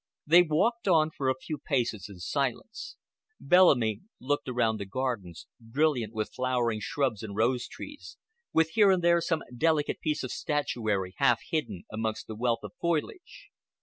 They walked on for a few paces in silence. Bellamy looked around the gardens, brilliant with flowering shrubs and rose trees, with here and there some delicate piece of statuary half hidden amongst the wealth of foliage.